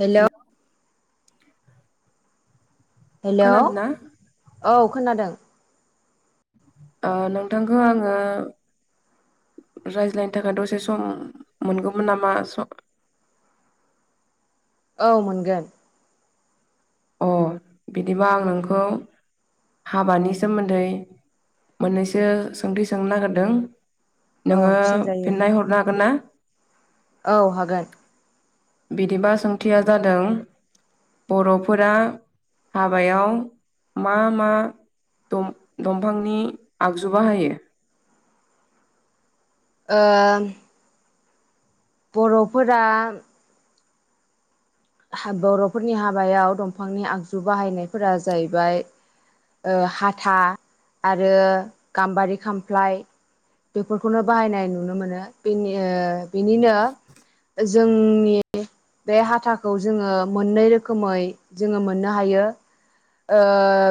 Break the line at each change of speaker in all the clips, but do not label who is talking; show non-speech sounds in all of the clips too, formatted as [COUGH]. Hello hello,
खोनादों ना
औ खोनादों।
ओ नोंथांखौ आंङो रायज्लायनो थाखाय दसे सम मोनगौमोन नामा?
औ मोनगोन।
अ बिदिबा आं नोंखौ हाबानि सोमोन्दै मोननैसो सोंथि सोंनो नागिरदों
औ
नोंङो
सोंजायो
फिन्नाय हरनो हागोन ना?
औ हागोन।
बिदिबा सोंथिया जादों बर' फोरा हाबायाव मा मा दम-दंफांनि आगजु बाहायो?
ओम बर'फोरा बर'फोरनि हाबायाव दंफांनि आगजु बाहायनायफोरा जाहैबाय ओ हाथा आरो गाम्बारि खामफ्लाय बेफोरखौनो बाहायनाय नुनो मोनो। बेनि ओ बिनिनो जोंनि बे हाथा खौ जोंङो मोननै रोखोमै जोंङो मोननो हायो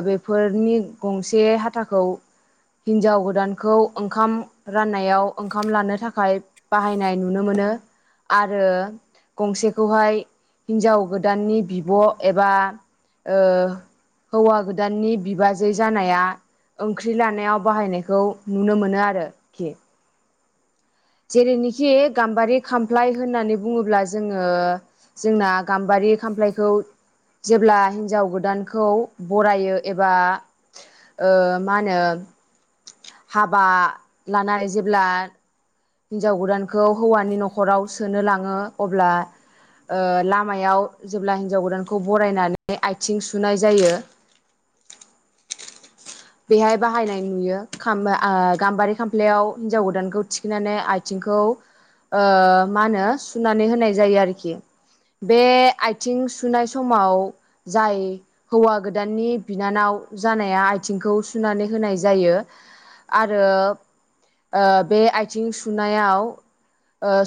बेफोरनि गंसे हाथाखौ हिन्जाव गोदानखौ ओंखाम राननायाव ओंखाम लानो थाखाय बाहायनाय नुनो मोनो आरो गंसेखौहाय हिन्जाव गोदाननि बिब' एबा हौवा गोदाननि बिबाजै जानाया ओंख्रि लानायाव बाहायनायखौ नुनो मोनो आरोखि जेरैनिखि गाम्बारि खामफ्लाय होननानै बुंङोब्ला जोंङो जोंना गाम्बारि खामफ्लायखौ जेब्ला हिन्जाव गोदानखौ बरायो एबा ओ मा होनो हाबा लानाय जेब्ला हिन्जाव गोदानखौ हौवानि न'खराव सोनो लांङो अब्ला ओ लामायाव जेब्ला हिन्जाव गोदानखौ बरायनानै आथिं सुनाय जायो बेहाय बाहायनाय नुयो। खाम ओ गाम्बारि खामफ्लायाव हिन्जाव गोदानखौ थिखोनानै आथिंखौ मा होनो सुनानै होनाय जायो आरोखि बे आथिं सुनाय समाव जाय हौवा गोदाननि बिनानाव जानाया आइथिंखौ सुनानै होनाय जायो आरो बे आइथिं सुनायाव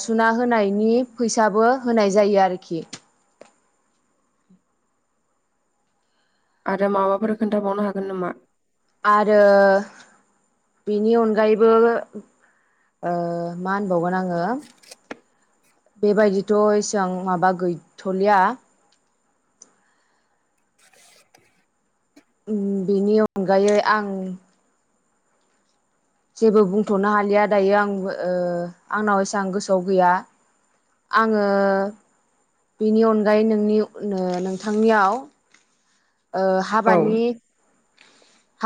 सुना होनायनि फैसाबो होनाय जायो आरोखि
आरो माबाफोर खोन्थाबावनो हागोन नामा?
आरो बिनि अनगायैबो मा होनबावगोन आङो बेबायदिथ' एसेबां माबा गै थलिया बेनि अनगायै आं जेबो बुंथ'नो हालिया दायो आं आंनाव एसेबां गोसोआव गैया आङो बिनि अनगायै नोंनि नोंथांनियाव-
औ
हाबानि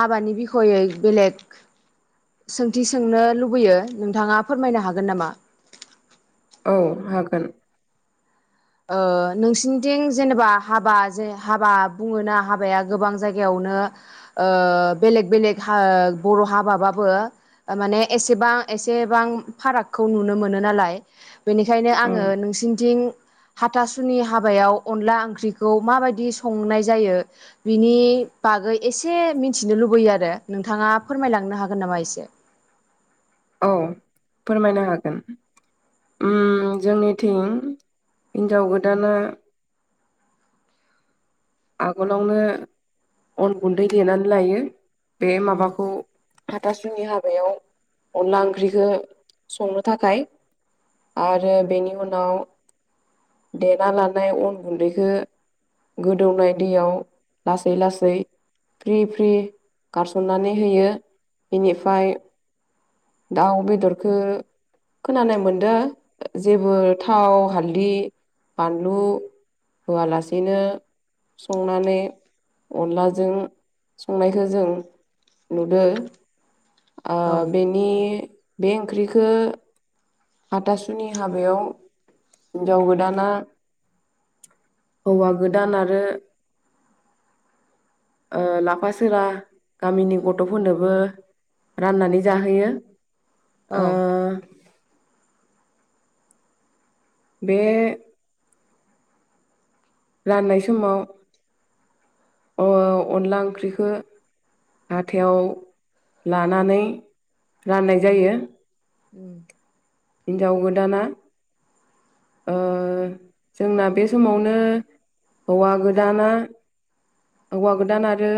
हाबानि बिखयै बेलेग सोंथि सोंनो लुबैयो नोंथाङा फोरमायनो हागोन नामा?
औ हागोन।
नोंसिनिथिं जेनेबा हाबा जे हाबा बुङोना हाबाया गोबां जायगायावनो बेलेग बेलेग बर' हाबाबाबो माने एसेबां एसेबां फारागखौ नुनो मोनो नालाय बेनिखायनो
औ
आङो नोंसिनिथिं हाथासुनि हाबायाव अनला ओंख्रिखौ माबायदि संनाय जायो बिनि बागै एसे मिथिनो लुबैयो आरो नोंथाङा फोरमायलांनो हागोन नामा एसे?
औ फोरमायनो हागोन। जोंनिथिं हिन्जाव गोदाना आगोलावनो अन गुन्दै देनानै लायो बे
उम
माबाखौ हाथासुनि हाबायाव अनला ओंख्रिखौ संनो थाखाय आरो बेनि उनाव देना लानाय अन गुन्दैखौ गोदौनाय दैयाव लासै लासै फ्रि फ्रि गारसननानै होयो बेनिफ्राय दाउ बेदरखौ खोनानाय मोनदों जेबो थाव हालदै बानलु होआलासेनो संनानै अनलाजों संनायखौ जों नुदो ओ
औ
बेनि बे ओंख्रिखो हाथासुनि हाबायाव हिन्जाव गोदाना हौवा गोदान आरो ओ लाफा सोरा गामिनि गथ'फोरनोबो राननानै जाहोयो। ओ
औ।
बे राननाय समाव अनला ओंख्रिखो हाथायाव लानानै राननाय जायो
उम
हिन्जाव गोदाना जोंना बे समावनो हौवा गोदाना हौवा गोदान आरो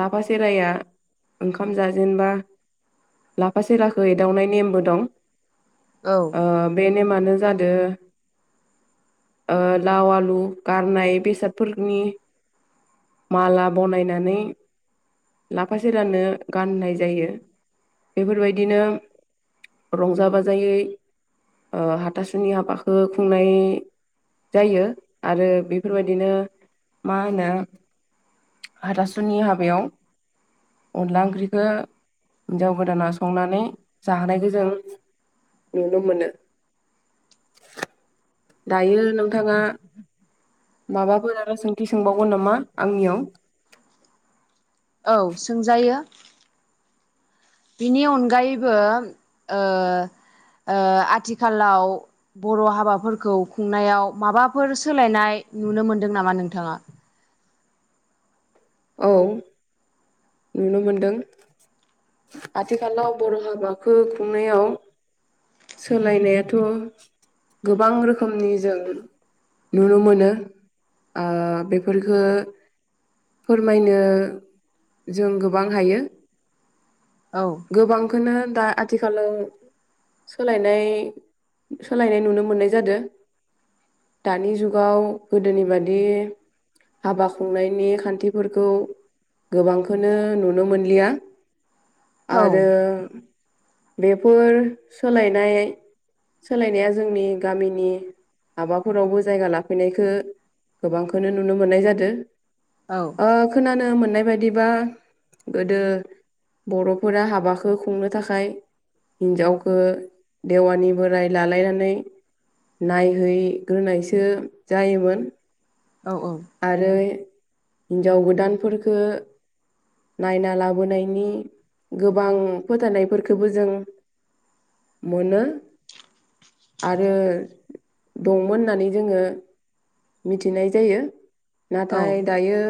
लाफा सेराया ओंखाम जाजेनबा लाफा सेराखौ एदावनाय नेमबो दं।
औ
बे नेमानो जादों ओ लाव आलु गारनाय बेसादफोरनि माला बनायनानै लाफा सैरानो गानहोनाय जायो बेफोरबायदिनो रंजा बाजायै ओ हाथासुनि हाबाखो खुंनाय जायो आरो बेफोरबायदिनो मा होनो हाथासुनि हाबायाव अनला ओंख्रिखौ हिनजाव गोदाना संनानै जाहोनायखौ जों नुनो मोनो। दायो नोंथाङा माबाफोर आरो सोंथि सोंबावगोन नामा आंनियाव?
औ सोंजायो। बिनि अनगायैबो ओ ओ आथिखालाव बर' हाबाफोरखौ खुंनायाव माबाफोर सोलायनाय नुनो मोनदों नामा नोंथाङा?
औ नुनो मोनदों। आथिखालाव बर' हाबाखौ खुंनायाव सोलायनायाथ' गोबां रोखोमनि जों नुनो मोनो ओ बेफोरखो फोरमायनो जों गोबां हायो।
औ।
गोबांखौनो दा आथिखालाव सोलायनाय सोलायनाय नुनो मोननाय जादो। दानि जुगाव गोदोनि बादि हाबा खुंनायनि खान्थि फोरखौ गोबांखौनो नुनो मोनलिया।
औ
आरो बेफोर सोलायनाय सोलायनाया जोंनि गामिनि हाबाफोरावबो जायगा लाफैनायखो गोबांखौनो नुनो मोननाय जादो।
औ।
ओ खोनानो मोननाय बायदिबा गोदो बर'फोरा हाबाखौ खुंनो थाखाय हिनजावखो देवानि बोराय लालायनानै नायहैग्रोनायसो जायोमोन।
औ औ।
आरो हिन्जाव गोदानफोरखो नायना लाबोनायनि गोबां फोथायनायफोरखौबो जों मोननो आरो दंमोन होननानै जोङो मिथिनाय जायो
औ
नाथाय दायो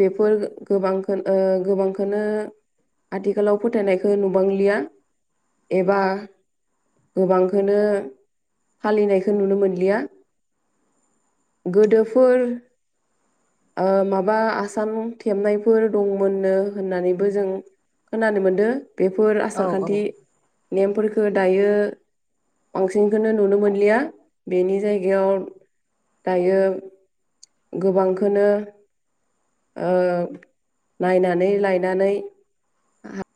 बेफोर गोबांखौ गोबांखौनो आथिखालाव फोथायनायखौ नुबांलिया एबा गोबांखौो फालिनायखौ नुनो मोनलिया गोदोफोर माबा बा आसान थेबनायफोर दंमोननो होननानैबो जों खोनानो मोनदों बेफोर आसारखान्थि नेमफोरफोरखो दायो बांसिनखौनो नुनो मोनलिया बेनि जायगायाव दायो गोबांखोनो ओ नायनानै लायनानै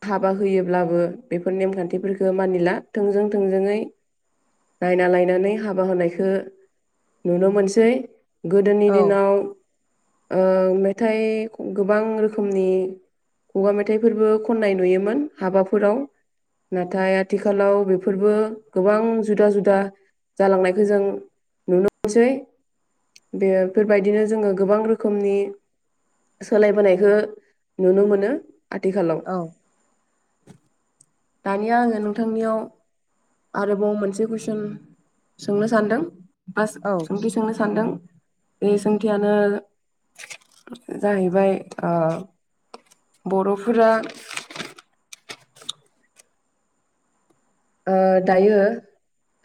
हाबा होयोब्लाबो बेफोर नेमखान्थिफोरखौ मानिला थोंजों थोंजोङै नायना लायनानै हाबा होनायखौ नुनो मोनसै गोदोनि
औ औ
दिनाव ओ मेथाइ गोबां रोखोमनि खुगा मेथाइफोरबो खननाय नुयोमोन हाबाफोराव। नाथाय आथिखालाव बेफोरबो गोबां जुदा जुदा जालांनायखौ जों नुनो मोनसै बेफोरबायदिनो जोङो गोबां रोखोम रोखोमनि सोलायबोनायखौ नुनो मोनो आथिखालाव
औ
दानिया आङो नोंथांनियाव आरोबाव मोनसे कुइसन सोंनो सानदों बास
औ
सोंथि सोंनो सानदों बे सोंथियानो जाहैबाय आ बर'फोरा आ दायो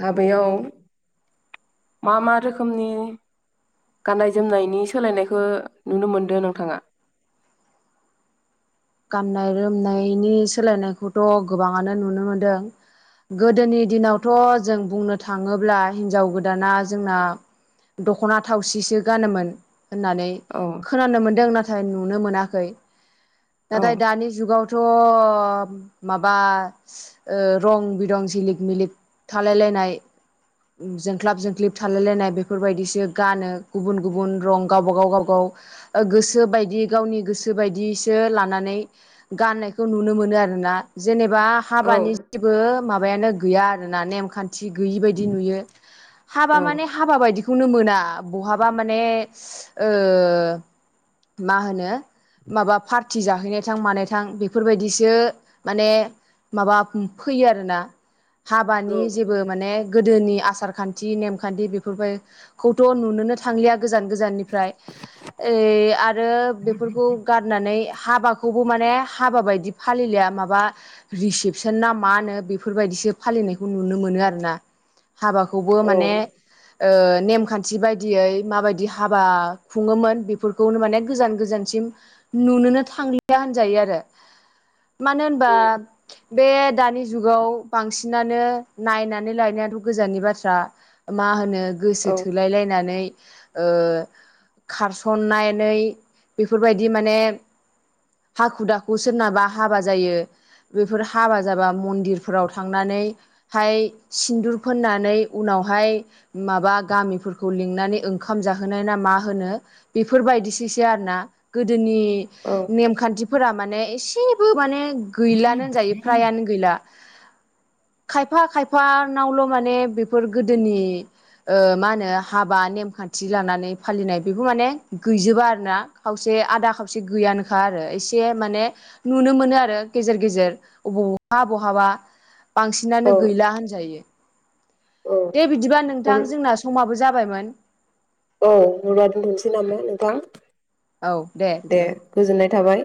हाबायाव मा मा रोखोमनि गाननाय जोमनायनि सोलायनायखौ नुनो मोनदों नोंथाङा
गाननाय जोमनायनि सोलायनायखौथ' गोबाङानो नुनो मोनदों गोदोनि दिनावथ' जों बुंनो थाङोब्ला हिनजाव गोदाना जोंना दख'ना थावसिसो गानोमोन होननानै
औ
खोनानो मोन्दों नाथाय नुनो मोनाखै
औ
नाथाय दानि जुगावथ' माबा ओ रं बिरं जिलिक मिलिक थालायलायनाय जोंख्लाब जोंख्लिब थालायलायनाय बेफोरबायदिसो गानो गुबुन गुबुन रं गावबा गाव गावबा गाव गोसो बायदि गावनि गोसो बायदिसो ला नानै गाननायखौ नुनो मोनो आरो ना जेनेबा
औ
हाबानि बो माबायानो गैया आरोना नेमखान्थि गैयि बायदि नुयो हाबा
औ
माने हाबा बायदिखौनो मोना बहाबा माने ओ मा होनो माबा पार थि जाहैनाय थां मानायथां बेफोरबायदिसो माने माबा फैयो आरोना हाबानि जेबो माने गोदोनि आसारखान्थि नेमखान्थि बेफोरखौथ' नुनोनो थांलिया गोजान गोजाननिफ्राय ऐ आरो बेफोरखौ गारनानै हाबाखौबो माने हाबा बायदि फालिलिया माबा रिसेपसनना मा नो बेफोरबायदिसो फालिनायखौ नुनो मोनो आरो ना हाबाखौबो
औ
माने ओ नेमखान्थि बायदियै माबायदि हाबा खुङोमोन बेफोरखौनो माने गोजान गोजानसिम नुनोनो थांलिया होनजायो आरो मानो होनबा बे दानि जुगाव बांसिनानो नायनानै लायनायाथ' गोजाननि बाथ्रा मा होनो गोसो
औ
थोलायलायनानै ओ खारसननानै बेफोरबायदि माने हाखु दाखु सोरनाबा हाबा जायो बेफोर हाबा जाबा मन्दिरफोराव थांनानै हाय सिन्दुर फोननानै उनावहाय माबा गामिफोरखौ लिंनानै ओंखाम जाहोनाय ना मा होनो बेफोरबायदिसैसो आरोना गोदोनि
औ
नेमखान्थिफोरा माने एसेबो माने गैलानो होनजायो फ्राइयानो गैला।
[INAUDIBLE]
खायफा खायफा नावल' माने बेफोर गोदोनि ओ मा होनो हाबा नेमखान्थि लानानै फालिनाय बेबो माने गैजोबा आरोना खावसे आदा खावसे गैयानोखा आरो एसे माने नुनो मोनो आरो गेजेर गेजेर अबावबा बहाबा बांसिनानो
औ
गैला होनजायो
औ
दे बिदिब्ला नोंथां
अब्ला
जोंना समाबो जाबायमोन
औ होनबा दोनथ'सै नामा नोंथां
औ दे बिदिबा
गोजोननाय थाबाय।